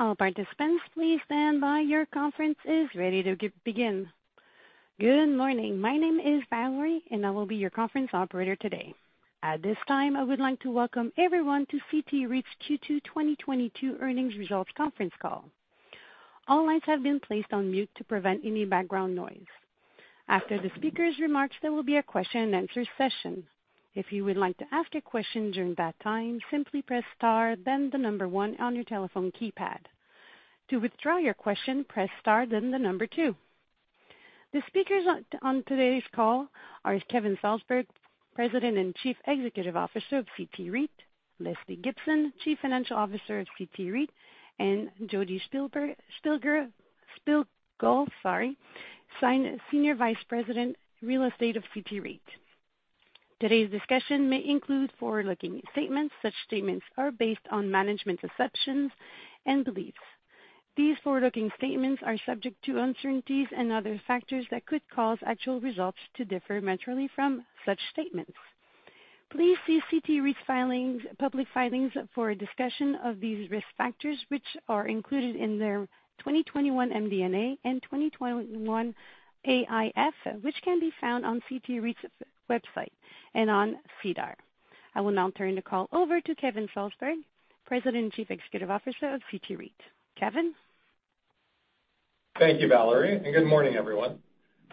All participants, please stand by. Your conference is ready to begin. Good morning. My name is Valerie, and I will be your conference operator today. At this time, I would like to welcome everyone to CT REIT's Q2 2022 Earnings Results Conference Call. All lines have been placed on mute to prevent any background noise. After the speaker's remarks, there will be a question-and-answer session. If you would like to ask a question during that time, simply press star then the number one on your telephone keypad. To withdraw your question, press star then the number two. The speakers on today's call are Kevin Salsberg, President and Chief Executive Officer of CT REIT, Lesley Gibson, Chief Financial Officer of CT REIT, and Jodi Shpigel, Senior Vice President, Real Estate of CT REIT. Today's discussion may include forward-looking statements. Such statements are based on management's assumptions and beliefs. These forward-looking statements are subject to uncertainties and other factors that could cause actual results to differ materially from such statements. Please see CT REIT's filings, public filings for a discussion of these risk factors, which are included in their 2021 MD&A and 2021 AIF, which can be found on CT REIT's website and on SEDAR. I will now turn the call over to Kevin Salsberg, President and Chief Executive Officer of CT REIT. Kevin? Thank you, Valerie, and good morning, everyone.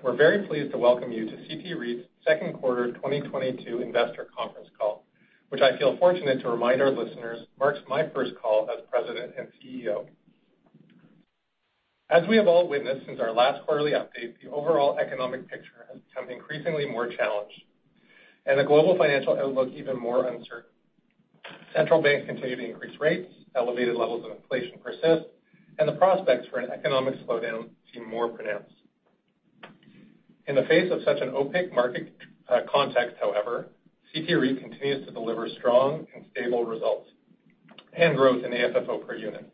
We're very pleased to welcome you to CT REIT's second quarter 2022 investor conference call, which I feel fortunate to remind our listeners marks my first call as president and CEO. As we have all witnessed since our last quarterly update, the overall economic picture has become increasingly more challenged and the global financial outlook even more uncertain. Central banks continue to increase rates, elevated levels of inflation persist, and the prospects for an economic slowdown seem more pronounced. In the face of such an opaque market context, however, CT REIT continues to deliver strong and stable results and growth in AFFO per unit.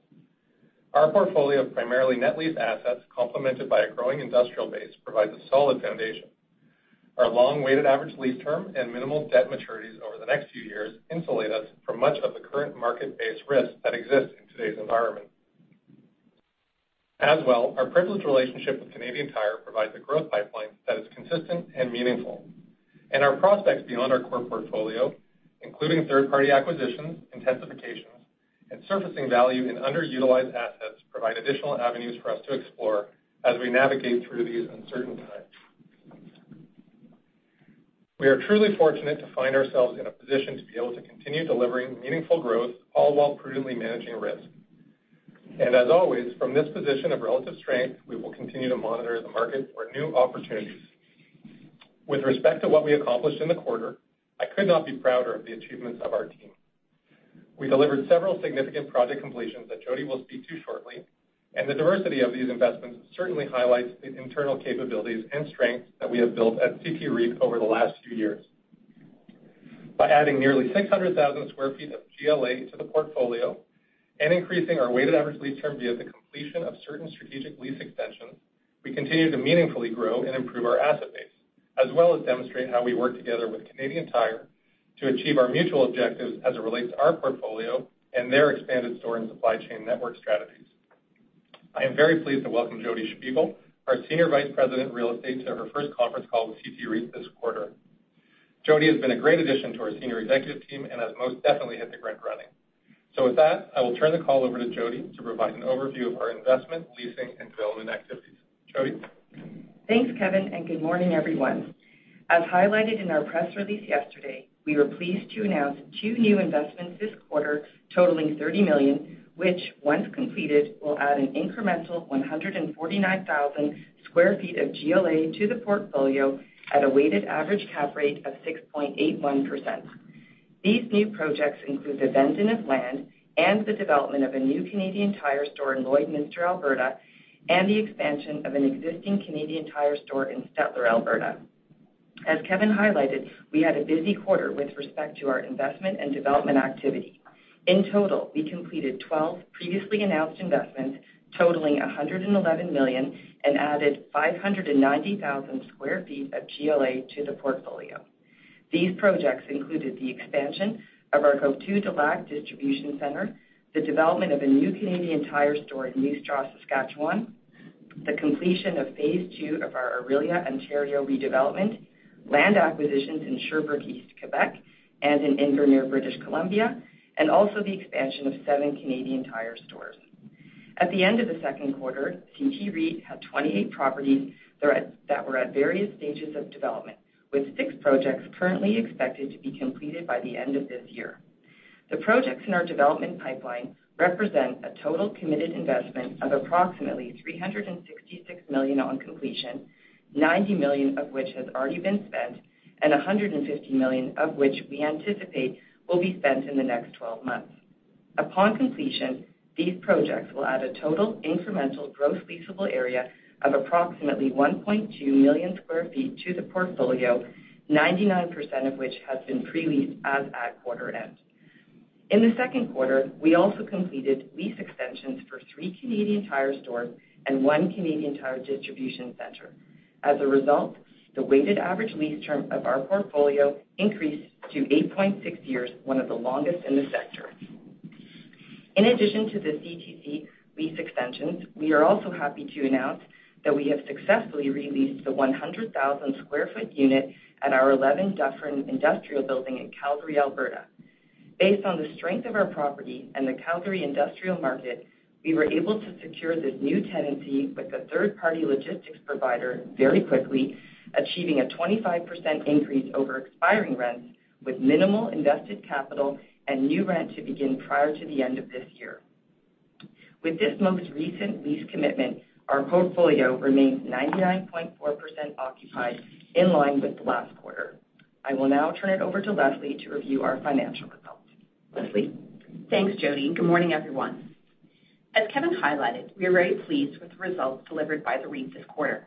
Our portfolio of primarily net lease assets complemented by a growing industrial base provides a solid foundation. Our long weighted average lease term and minimal debt maturities over the next few years insulate us from much of the current market-based risks that exist in today's environment. As well, our privileged relationship with Canadian Tire provides a growth pipeline that is consistent and meaningful. Our prospects beyond our core portfolio, including third-party acquisitions, intensifications, and surfacing value in underutilized assets, provide additional avenues for us to explore as we navigate through these uncertain times. We are truly fortunate to find ourselves in a position to be able to continue delivering meaningful growth, all while prudently managing risk. As always, from this position of relative strength, we will continue to monitor the market for new opportunities. With respect to what we accomplished in the quarter, I could not be prouder of the achievements of our team. We delivered several significant project completions that Jodi Shpigel will speak to shortly, and the diversity of these investments certainly highlights the internal capabilities and strengths that we have built at CT REIT over the last few years. By adding nearly 600,000 sq ft of GLA to the portfolio and increasing our weighted average lease term via the completion of certain strategic lease extensions, we continue to meaningfully grow and improve our asset base, as well as demonstrate how we work together with Canadian Tire to achieve our mutual objectives as it relates to our portfolio and their expanded store and supply chain network strategies. I am very pleased to welcome Jodi Shpigel, our Senior Vice-President, Real Estate, to her first conference call with CT REIT this quarter. Jodi Shpigel has been a great addition to our senior executive team and has most definitely hit the ground running. With that, I will turn the call over to Jodi to provide an overview of our investment, leasing, and development activities. Jodi? Thanks, Kevin, and good morning, everyone. As highlighted in our press release yesterday, we were pleased to announce two new investments this quarter totaling 30 million, which, once completed, will add an incremental 149,000 sq ft of GLA to the portfolio at a weighted average cap rate of 6.81%. These new projects include the vending of land and the development of a new Canadian Tire store in Lloydminster, Alberta, and the expansion of an existing Canadian Tire store in Stettler, Alberta. As Kevin highlighted, we had a busy quarter with respect to our investment and development activity. In total, we completed 12 previously announced investments totaling 111 million and added 590,000 sq ft of GLA to the portfolio. These projects included the expansion of our Coteau-du-Lac distribution center, the development of a new Canadian Tire store in Moose Jaw, Saskatchewan, the completion of phase two of our Orillia, Ontario redevelopment, land acquisitions in Sherbrooke East, Quebec and in Invermere, British Columbia, and also the expansion of seven Canadian Tire stores. At the end of the second quarter, CT REIT had 28 properties that were at various stages of development, with six projects currently expected to be completed by the end of this year. The projects in our development pipeline represent a total committed investment of approximately 366 million on completion, 90 million of which has already been spent, and 150 million of which we anticipate will be spent in the next 12 months. Upon completion, these projects will add a total incremental Gross Leasable Area of approximately 1.2 million sq ft to the portfolio, 99% of which has been pre-leased as at quarter end. In the second quarter, we also completed lease extensions for three Canadian Tire stores and one Canadian Tire distribution center. As a result, the weighted average lease term of our portfolio increased to 8.6 years, one of the longest in the sector. In addition to the CTC lease extensions, we are also happy to announce that we have successfully re-leased the 100,000 sq ft unit at our 11 Dufferin industrial building in Calgary, Alberta. Based on the strength of our property and the Calgary industrial market, we were able to secure this new tenancy with a third-party logistics provider very quickly, achieving a 25% increase over expiring rents with minimal invested capital and new rent to begin prior to the end of this year. With this most recent lease commitment, our portfolio remains 99.4% occupied in line with last quarter. I will now turn it over to Lesley to review our financial results. Lesley? Thanks, Jodi. Good morning, everyone. As Kevin highlighted, we are very pleased with the results delivered by the REIT this quarter.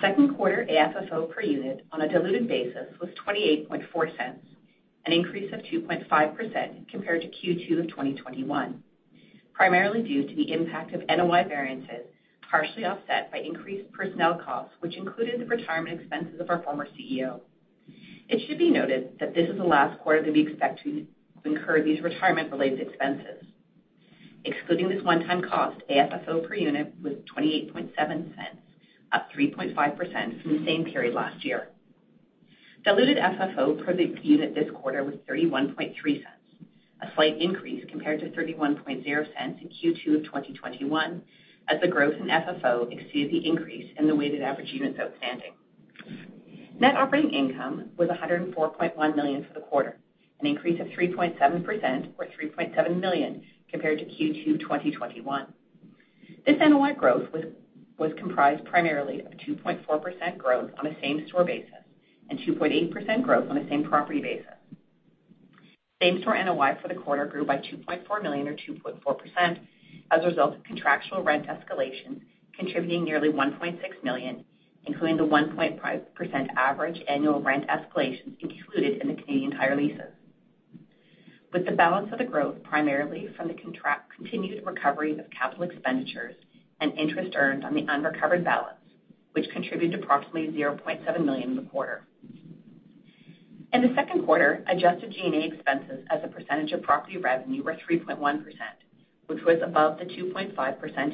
Second quarter AFFO per unit on a diluted basis was 0.284, an increase of 2.5% compared to Q2 of 2021, primarily due to the impact of NOI variances, partially offset by increased personnel costs, which included the retirement expenses of our former CEO. It should be noted that this is the last quarter that we expect to incur these retirement-related expenses. Excluding this one-time cost, AFFO per unit was 0.287, up 3.5% from the same period last year. Diluted FFO per the unit this quarter was 0.313, a slight increase compared to 0.310 in Q2 of 2021, as the growth in FFO exceeds the increase in the weighted average units outstanding. Net operating income was 104.1 million for the quarter, an increase of 3.7% or 3.7 million compared to Q2 2021. This NOI growth was comprised primarily of a 2.4% growth on a same-store basis and 2.8% growth on a same-property basis. Same-store NOI for the quarter grew by 2.4 million or 2.4% as a result of contractual rent escalation, contributing nearly 1.6 million, including the 1.5% average annual rent escalations included in the Canadian Tire leases. With the balance of the growth primarily from the continued recovery of capital expenditures and interest earned on the unrecovered balance, which contributed approximately 0.7 million in the quarter. In the second quarter, adjusted G&A expenses as a percentage of property revenue were 3.1%, which was above the 2.5%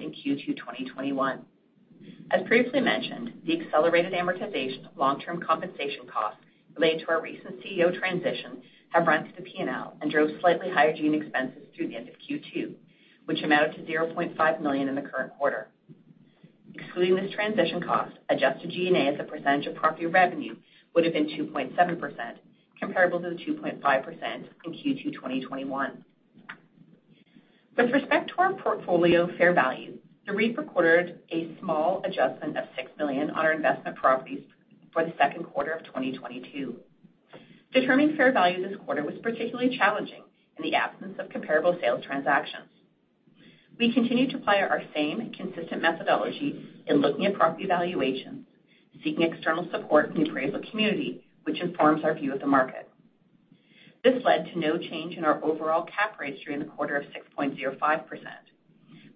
in Q2 2021. As previously mentioned, the accelerated amortization of long-term compensation costs related to our recent CEO transition have run through the P&L and drove slightly higher G&A expenses through the end of Q2, which amounted to 0.5 million in the current quarter. Excluding this transition cost, adjusted G&A as a percentage of property revenue would have been 2.7%, comparable to the 2.5% in Q2 2021. With respect to our portfolio fair value, the REIT recorded a small adjustment of 6 million on our investment properties for the second quarter of 2022. Determining fair value this quarter was particularly challenging in the absence of comparable sales transactions. We continue to apply our same consistent methodology in looking at property valuations, seeking external support from the appraisal community, which informs our view of the market. This led to no change in our overall cap rates during the quarter of 6.05%,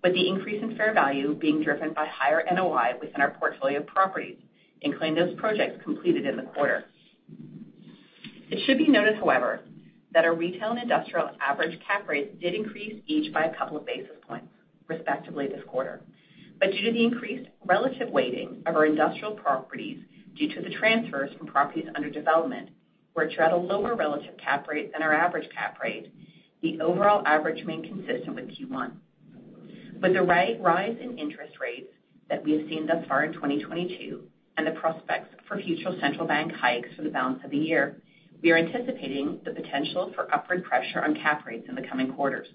with the increase in fair value being driven by higher NOI within our portfolio of properties, including those projects completed in the quarter. It should be noted, however, that our retail and industrial average cap rates did increase each by a couple of basis points respectively this quarter. Due to the increased relative weighting of our industrial properties due to the transfers from properties under development, which are at a lower relative cap rate than our average cap rate, the overall average remained consistent with Q1. With the rise in interest rates that we have seen thus far in 2022 and the prospects for future central bank hikes for the balance of the year, we are anticipating the potential for upward pressure on cap rates in the coming quarters.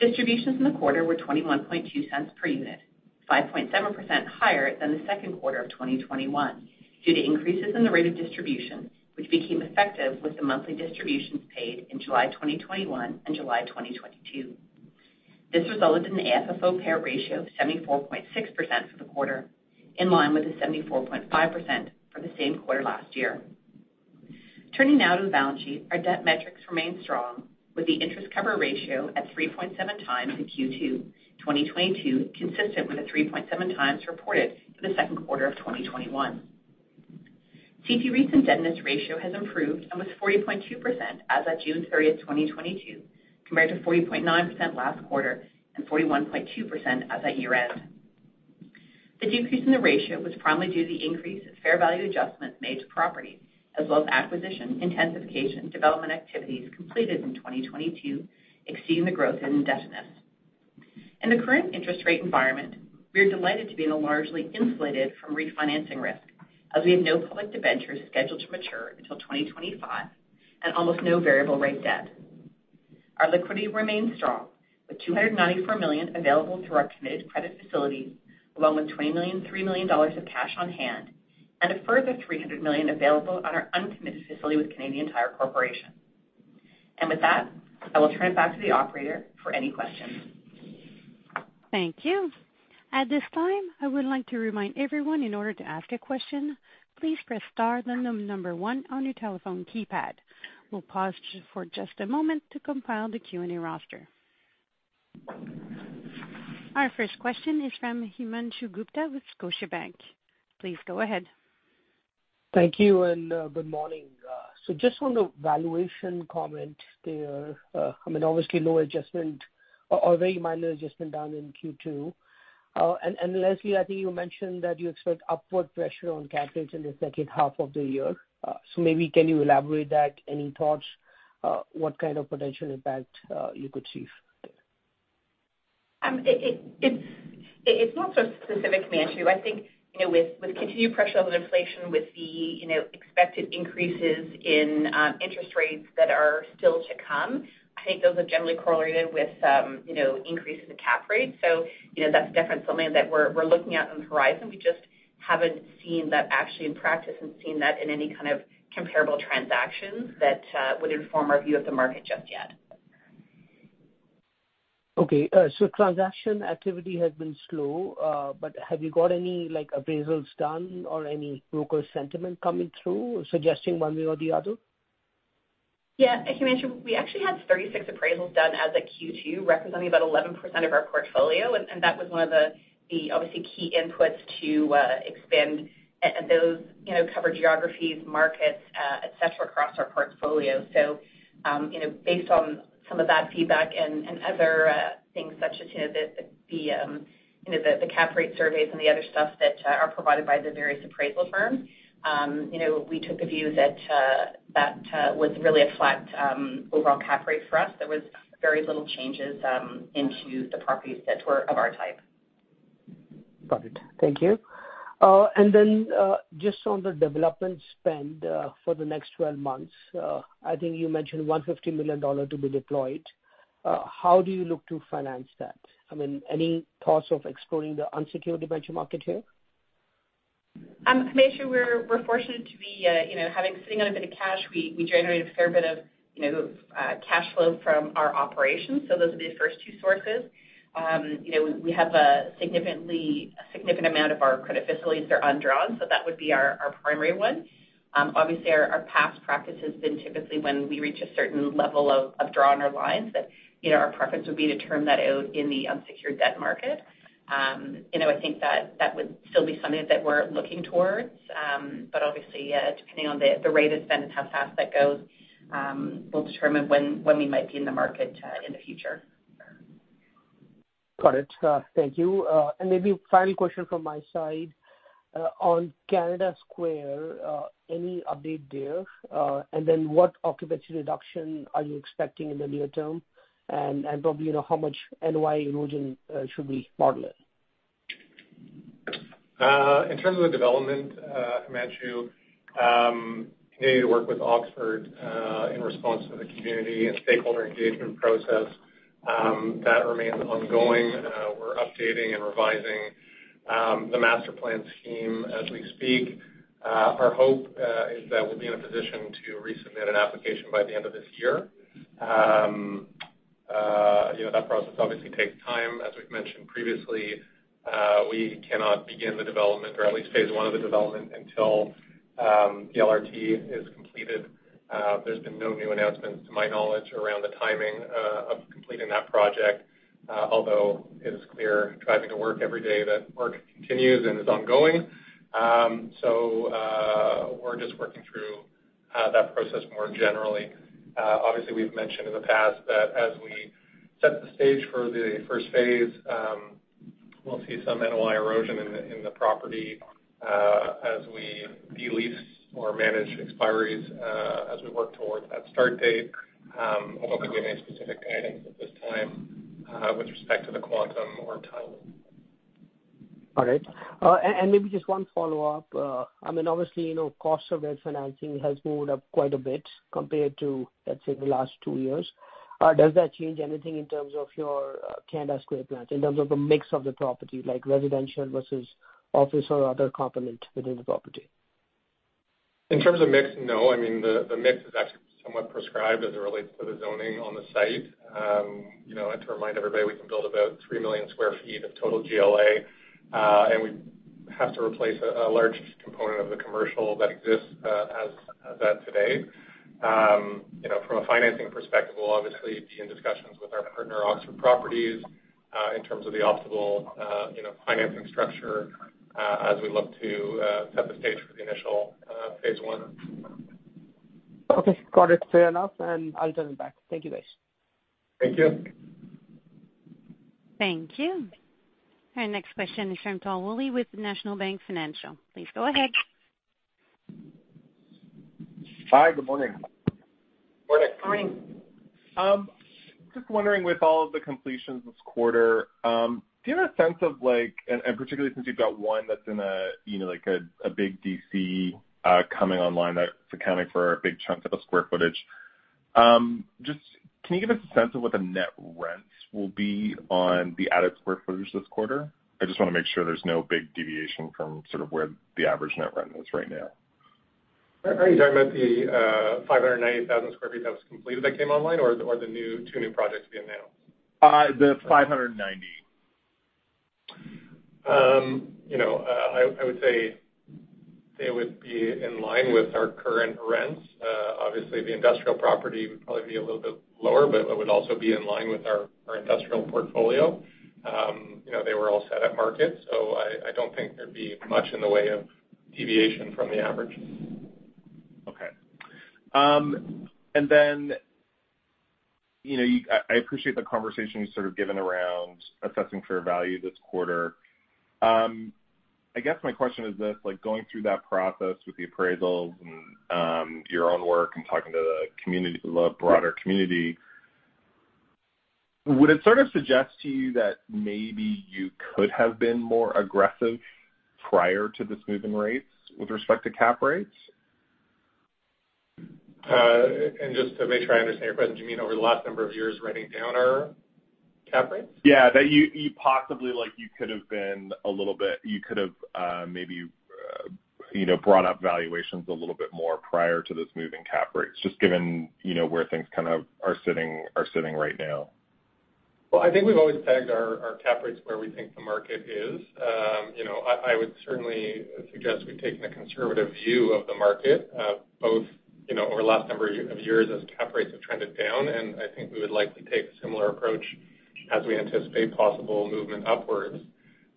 Distributions in the quarter were 0.212 per unit, 5.7% higher than the second quarter of 2021 due to increases in the rate of distribution, which became effective with the monthly distributions paid in July 2021 and July 2022. This resulted in an AFFO payout ratio of 74.6% for the quarter, in line with the 74.5% for the same quarter last year. Turning now to the balance sheet, our debt metrics remain strong, with the interest cover ratio at 3.7 times in Q2 2022, consistent with the 3.7 times reported for the second quarter of 2021. CT REIT's indebtedness ratio has improved and was 40.2% as of June 30, 2022, compared to 40.9% last quarter and 41.2% as at year-end. The decrease in the ratio was primarily due to the increase in fair value adjustments made to property, as well as acquisition, intensification, development activities completed in 2022 exceeding the growth in indebtedness. In the current interest rate environment, we are delighted to be largely insulated from refinancing risk as we have no public debentures scheduled to mature until 2025 and almost no variable rate debt. Our liquidity remains strong, with 294 million available through our committed credit facility, along with 23 million dollars of cash on hand and a further 300 million available on our uncommitted facility with Canadian Tire Corporation. With that, I will turn it back to the operator for any questions. Thank you. At this time, I would like to remind everyone in order to ask a question, please press star then number one on your telephone keypad. We'll pause for just a moment to compile the Q&A roster. Our first question is from Himanshu Gupta with Scotiabank. Please go ahead. Thank you, and good morning. Just on the valuation comment there, I mean, obviously low adjustment or very minor adjustment down in Q2. Lesley, I think you mentioned that you expect upward pressure on cap rates in the second half of the year. Maybe can you elaborate that? Any thoughts, what kind of potential impact you could see there? It's not just specific, Himanshu. I think, you know, with continued pressure on inflation, with the, you know, expected increases in interest rates that are still to come, I think those are generally correlated with, you know, increases in cap rate. So you know, that's definitely something that we're looking at on the horizon. We just haven't seen that actually in practice and seen that in any kind of comparable transactions that would inform our view of the market just yet. Okay. So, transaction activity has been slow, but have you got any like appraisals done or any broker sentiment coming through suggesting one way or the other? Yeah. As you mentioned, we actually had 36 appraisals done as of Q2, representing about 11% of our portfolio. And, that was one of the obviously key inputs to cover geographies, markets, et cetera, across our portfolio. So you know, based on some of that feedback and other things such as the cap rate surveys and the other stuff that are provided by the various appraisal firms, you know, we took a view that was really a flat overall cap rate for us. There was very little changes into the properties that were of our type. Got it. Thank you. And then, just on the development spend, for the next 12 months, I think you mentioned 150 million dollars to be deployed. How do you look to finance that? I mean, any thoughts of exploring the unsecured debt market here? Himanshu, we're fortunate to be, you know, sitting on a bit of cash. We generate a fair bit of, you know, cash flow from our operations. So, those are the first two sources. You know, we have a significant amount of our credit facilities are undrawn, so that would be our primary one. Obviously our past practice has been typically when we reach a certain level of draw on our lines that, you know, our preference would be to term that out in the unsecured debt market. You know, I think that would still be something that we're looking towards. Obviously, depending on the rate of spend and how fast that goes, we'll determine when we might be in the market in the future. Got it. Thank you. And, maybe final question from my side. On Canada Square, any update there? And then what occupancy reduction are you expecting in the near term and probably, you know, how much NOI erosion should we model it? In terms of the development, Himanshu, continue to work with Oxford in response to the community and stakeholder engagement process that remains ongoing. We're updating and revising the master plan scheme as we speak. Our hope is that we'll be in a position to resubmit an application by the end of this year. You know, that process obviously takes time. As we've mentioned previously, we cannot begin the development or at least phase I of the development until the LRT is completed. There's been no new announcements to my knowledge around the timing of completing that project, although it is clear driving to work every day that work continues and is ongoing. So, we're just working through that process more generally. Obviously we've mentioned in the past that as we set the stage for the first phase, we'll see some NOI erosion in the property as we de-lease or manage expiries as we work towards that start date. Although can't give any specific guidance at this time with respect to the quantum or timing. All right. And, maybe just one follow-up. I mean obviously, you know, cost of refinancing has moved up quite a bit compared to, let's say, the last two years. Does that change anything in terms of your Canada Square plans, in terms of the mix of the property, like residential versus office or other component within the property? In terms of mix, no. I mean, the mix is actually somewhat prescribed as it relates to the zoning on the site. You know, to remind everybody, we can build about 3 million sq ft of total GLA, and we have to replace a large component of the commercial that exists, as at today. You know, from a financing perspective, we'll obviously be in discussions with our partner, Oxford Properties, in terms of the optimal, you know, financing structure, as we look to set the stage for the initial phase I. Okay. Got it. Fair enough. I'll turn it back. Thank you guys. Thank you. Thank you. Our next question is from Tal Woolley with National Bank Financial. Please go ahead. Hi. Good morning. Morning. Morning. Just wondering with all of the completions this quarter, do you have a sense of like, and particularly since you've got one that's in a, you know, like a big DC coming online that's accounting for a big chunk of the square footage, just can you give us a sense of what the net rents will be on the added square footage this quarter? I just wanna make sure there's no big deviation from sort of where the average net rent is right now. Are you talking about the 590,000 sq ft that was completed that came online or the two new projects we announced? Uh, the 590. You know, I would say it would be in line with our current rents. Obviously the industrial property would probably be a little bit lower, but it would also be in line with our industrial portfolio. You know, they were all set at market, so I don't think there'd be much in the way of deviation from the average. Okay. And then you know, I appreciate the conversation you've sort of given around assessing fair value this quarter. I guess my question is this, like, going through that process with the appraisals and your own work and talking to the community, the broader community, would it sort of suggest to you that maybe you could have been more aggressive prior to this move in rates with respect to cap rates? And just to make sure I understand your question, do you mean over the last number of years running down our cap rates? Yeah. Thank you. You possibly—like, you could have maybe, you know, brought up valuations a little bit more prior to this move in cap rates, just given, you know, where things kind of are sitting right now. Well, I think we've always tagged our cap rates where we think the market is. You know, I would certainly suggest we've taken a conservative view of the market, both, you know, over the last number of years as cap rates have trended down, and I think we would likely take a similar approach as we anticipate possible movement upwards.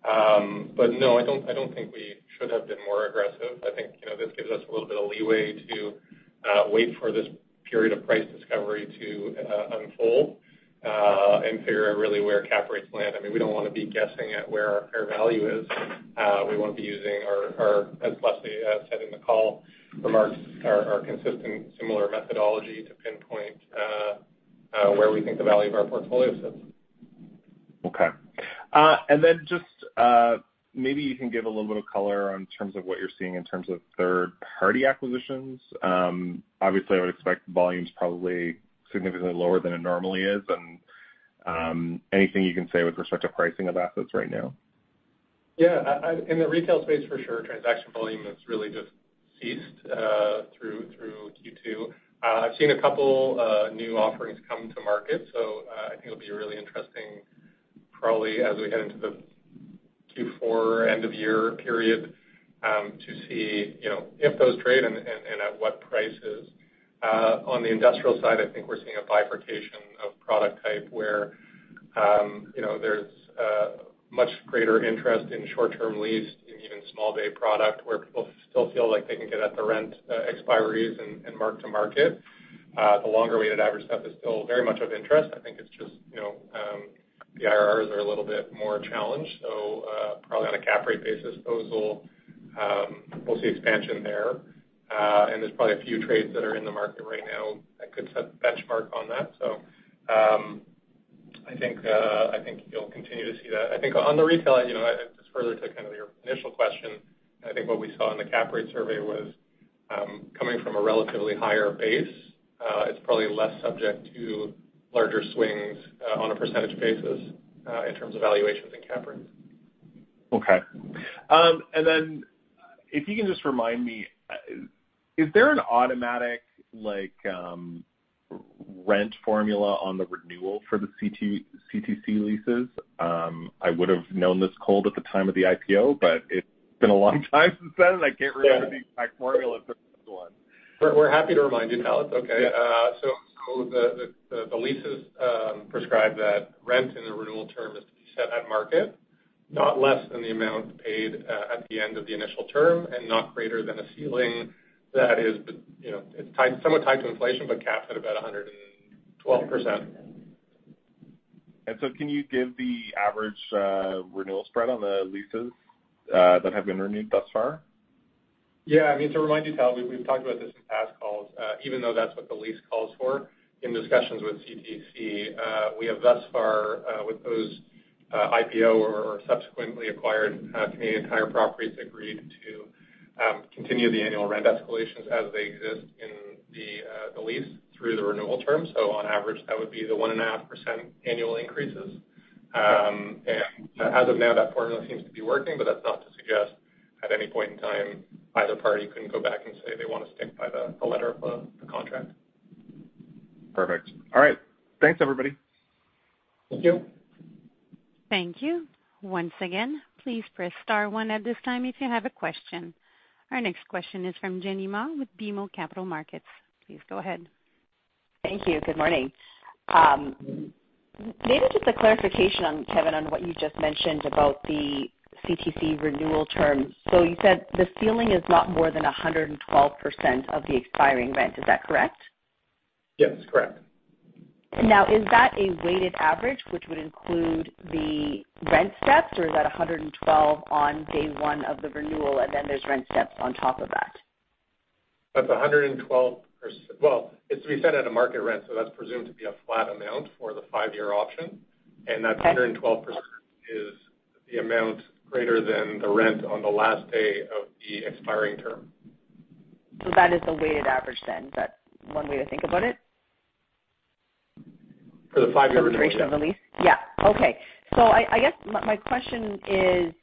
No, I don't think we should have been more aggressive. I think, you know, this gives us a little bit of leeway to wait for this period of price discovery to unfold, and figure out really where cap rates land. I mean, we don't wanna be guessing at where our fair value is. We wanna be using our. As Lesley said in the call remarks, our consistent similar methodology to pinpoint where we think the value of our portfolio sits. Okay. And then just, maybe you can give a little bit of color in terms of what you're seeing in terms of third-party acquisitions. Obviously, I would expect volumes probably significantly lower than it normally is. Anything you can say with respect to pricing of assets right now? Yeah. In the retail space for sure, transaction volume has really just ceased through Q2. I've seen a couple new offerings come to market, so I think it'll be really interesting probably as we get into the Q4 end of year period to see you know if those trade and at what prices. On the industrial side, I think we're seeing a bifurcation of product type where you know there's much greater interest in short-term lease in even small bay product where people still feel like they can get at the rent expiries and mark-to-market. The longer weighted average stuff is still very much of interest. I think it's just you know the IRRs are a little bit more challenged. So, probably on a cap rate basis, those will. We'll see expansion there. And, there's probably a few trades that are in the market right now that could set benchmark on that. I think you'll continue to see that. So, I think on the retail end, you know, just further to kind of your initial question, and I think what we saw in the cap rate survey was coming from a relatively higher base. It's probably less subject to larger swings on a percentage basis in terms of valuations and cap rates. Okay. And then, If you can just remind me, is there an automatic like rent formula on the renewal for the CT-CTC leases? I would've known this cold at the time of the IPO, but it's been a long time since then. I can't remember the exact formula for this one. We're happy to remind you, Tal. It's Okay. So, the leases prescribe that rent in a renewal term is to be set at market, not less than the amount paid at the end of the initial term, and not greater than a ceiling that you know, it's somewhat tied to inflation, but capped at about 112%. And so, can you give the average renewal spread on the leases that have been renewed thus far? Yeah. I mean, to remind you, Tal, we've talked about this in past calls. Even though that's what the lease calls for in discussions with CTC, we have thus far with those IPO or subsequently acquired Canadian Tire properties agreed to continue the annual rent escalations as they exist in the lease through the renewal term. On average, that would be the 1.5% annual increases. As of now, that formula seems to be working, but that's not to suggest at any point in time either party couldn't go back and say they wanna stick by the letter on the contract. Perfect. All right. Thanks, everybody. Thank you. Thank you. Once again, please press star one at this time if you have a question. Our next question is from Jenny Ma with BMO Capital Markets. Please go ahead. Thank you. Good morning. Maybe just a clarification on, Kevin, on what you just mentioned about the CTC renewal term. So, you said the ceiling is not more than 112% of the expiring rent. Is that correct? Yes, correct. And now, is that a weighted average, which would include the rent steps, or is that 112 on day one of the renewal, and then there's rent steps on top of that? That's 112%. Well, it's to be set at a market rent, so that's presumed to be a flat amount for the five-year option. Okay. That 112% is the amount greater than the rent on the last day of the expiring term. So, that is a weighted average then. Is that one way to think about it? For the five-year renewal, yes. For the duration of the lease? Yeah. Okay. So, I guess my question is,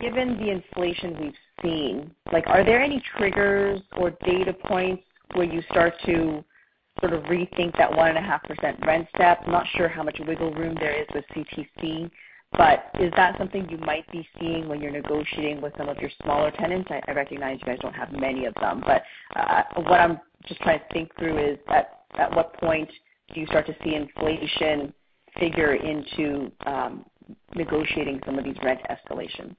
given the inflation we've seen, like, are there any triggers or data points where you start to sort of rethink that 1.5% rent step? I'm not sure how much wiggle room there is with CTC, but is that something you might be seeing when you're negotiating with some of your smaller tenants? I recognize you guys don't have many of them, but what I'm just trying to think through is at what point do you start to see inflation figure into negotiating some of these rent escalations?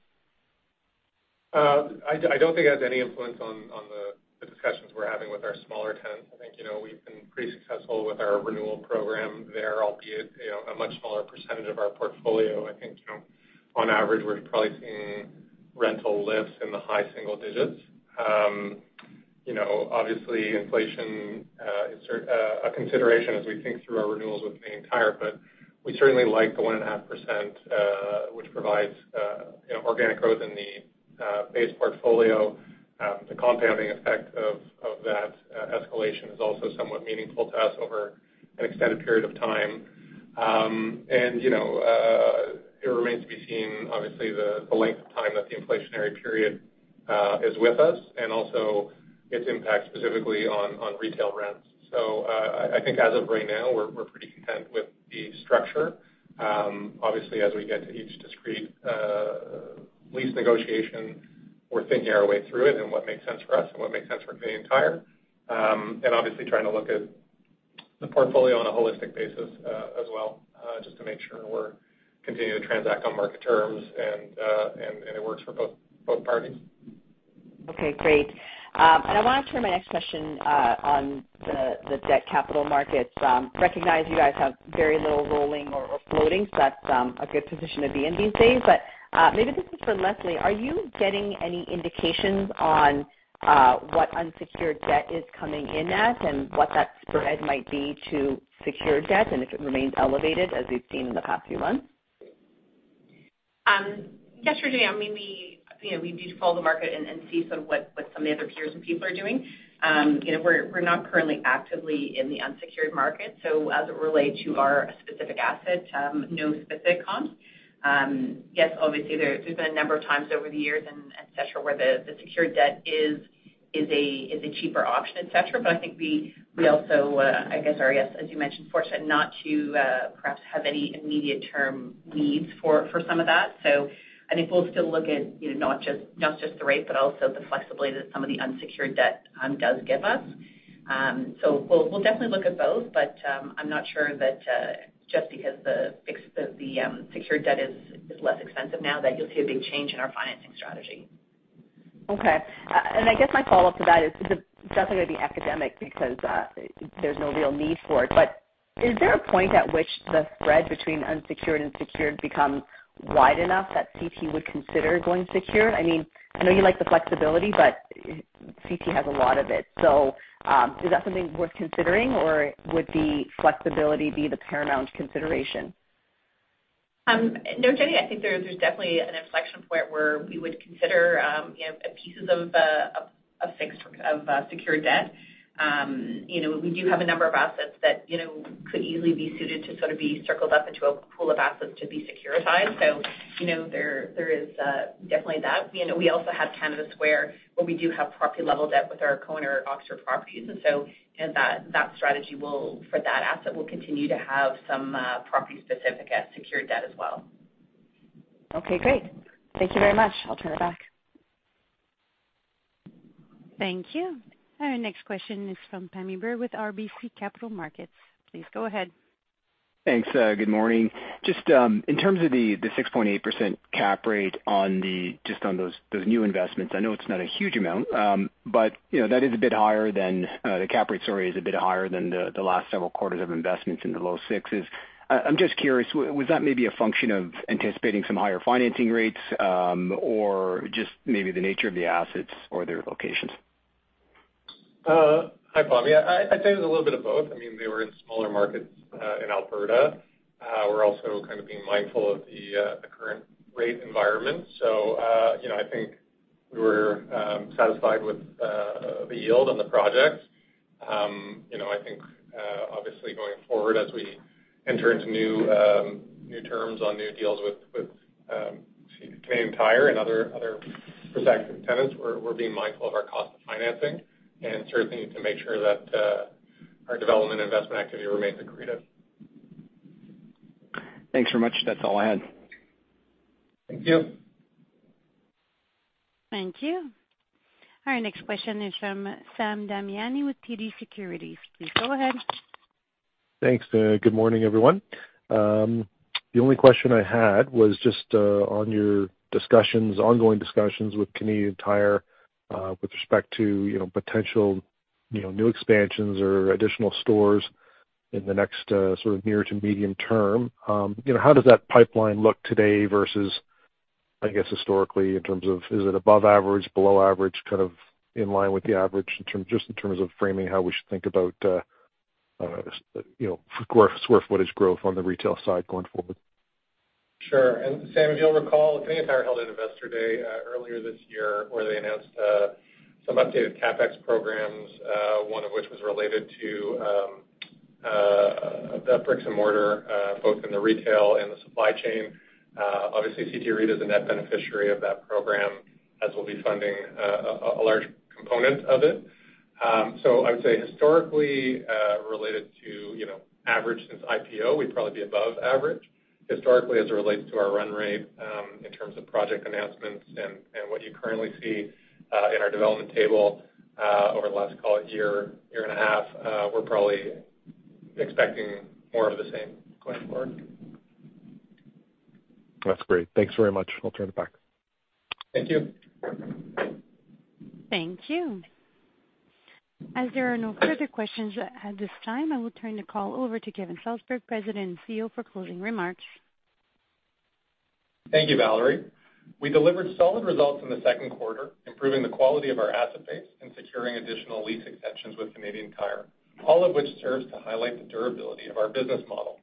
I don't think it has any influence on the discussions we're having with our smaller tenants. I think, you know, we've been pretty successful with our renewal program there, albeit, you know, a much smaller percentage of our portfolio. I think, you know, on average, we're probably seeing rental lifts in the high single-digits. You know, obviously, inflation is a consideration as we think through our renewals with the entire. We certainly like the 1.5%, which provides, you know, organic growth in the base portfolio. The compounding effect of that escalation is also somewhat meaningful to us over an extended period of time. You know, it remains to be seen, obviously, the length of time that the inflationary period is with us and also its impact specifically on retail rents. I think as of right now, we're pretty content with the structure. Obviously, as we get to each discrete lease negotiation, we're thinking our way through it and what makes sense for us and what makes sense for Canadian Tire. Obviously trying to look at the portfolio on a holistic basis as well, just to make sure we're continuing to transact on market terms and it works for both parties. Okay, great. And, I want to turn to my next question on the debt capital markets. Recognize you guys have very little rolling or floating, so that's a good position to be in these days. But, maybe this is for Lesley, are you getting any indications on what unsecured debt is coming in at and what that spread might be to secured debt, and if it remains elevated as we've seen in the past few months? Yesterday. I mean, we, you know, we do follow the market and see sort of what some of the other peers and people are doing. You know, we're not currently actively in the unsecured market, so as it relates to our specific asset, no specific comps. Yes, obviously there's been a number of times over the years and et cetera, where the secured debt is a cheaper option, et cetera. I think we also, I guess, yes, as you mentioned, fortunate not to perhaps have any immediate term needs for some of that. I think we'll still look at, you know, not just the rate, but also the flexibility that some of the unsecured debt does give us. We'll definitely look at both, but I'm not sure that just because the secured debt is less expensive now that you'll see a big change in our financing strategy. Okay. I guess my follow-up to that is it's definitely gonna be academic because there's no real need for it. Is there a point at which the spread between unsecured and secured become wide enough that CT would consider going secure? I mean, I know you like the flexibility, but CT has a lot of it. Is that something worth considering, or would the flexibility be the paramount consideration? No, Jenny, I think there's definitely an inflection point where we would consider you know, pieces of secured debt. You know, we do have a number of assets that you know, could easily be suited to sort of be circled up into a pool of assets to be securitized. You know, there is definitely that. You know, we also have Canada Square, where we do have property level debt with our co-owner, Oxford Properties. You know, that strategy for that asset will continue to have some property specific secured debt as well. Okay, great. Thank you very much. I'll turn it back. Thank you. Our next question is from Pammi Bir with RBC Capital Markets. Please go ahead. Thanks. Good morning. Just in terms of the 6.8% cap rate just on those new investments, I know it's not a huge amount, but you know that is a bit higher than the cap rate the last several quarters of investments in the low sixes. I'm just curious, was that maybe a function of anticipating some higher financing rates, or just maybe the nature of the assets or their locations? Hi, Pammi. I'd say a little bit of both. I mean, they were in smaller markets in Alberta. We're also kind of being mindful of the current rate environment. You know, I think we were satisfied with the yield on the project. You know, I think, obviously, going forward, as we enter into new terms on new deals with Canadian Tire and other prospective tenants, we're being mindful of our cost of financing and certainly to make sure that our development investment activity remains accretive. Thanks very much. That's all I had. Thank you. Thank you. Our next question is from Sam Damiani with TD Securities. Please go ahead. Thanks. Good morning, everyone. The only question I had was just on your discussions, ongoing discussions with Canadian Tire, with respect to, you know, potential, you know, new expansions or additional stores in the next, sort of near to medium term. You know, how does that pipeline look today versus, I guess, historically in terms of is it above average, below average, kind of in line with the average in terms of framing how we should think about, you know, square footage growth on the retail side going forward? Sure. Sam, as you'll recall, Canadian Tire held an Investor Day earlier this year, where they announced some updated CapEx programs, one of which was related to the bricks-and-mortar both in the retail and the supply chain. Obviously, CT REIT is a net beneficiary of that program, as we'll be funding a large component of it. I would say historically, related to, you know, average since IPO, we'd probably be above average. Historically, as it relates to our run rate, in terms of project announcements and what you currently see in our development table, over the last, call it year and a half, we're probably expecting more of the same going forward. That's great. Thanks very much. I'll turn it back. Thank you. Thank you. As there are no further questions at this time, I will turn the call over to Kevin Salsberg, President and CEO, for closing remarks. Thank you, Valerie. We delivered solid results in the second quarter, improving the quality of our asset base and securing additional lease extensions with Canadian Tire, all of which serves to highlight the durability of our business model.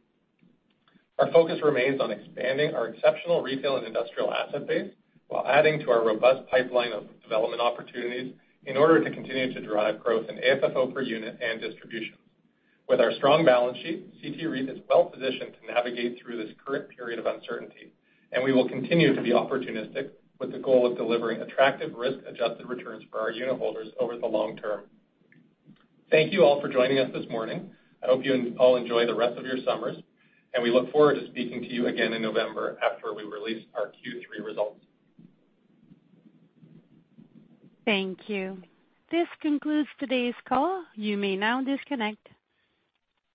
Our focus remains on expanding our exceptional retail and industrial asset base while adding to our robust pipeline of development opportunities in order to continue to drive growth in AFFO per unit and distribution. With our strong balance sheet, CT REIT is well positioned to navigate through this current period of uncertainty, and we will continue to be opportunistic with the goal of delivering attractive risk-adjusted returns for our unitholders over the long-term. Thank you all for joining us this morning. I hope you all enjoy the rest of your summers, and we look forward to speaking to you again in November after we release our Q3 results. Thank you. This concludes today's call. You may now disconnect.